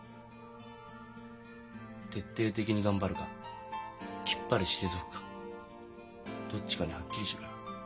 徹底的に頑張るかきっぱり退くかどっちかにはっきりしろよ。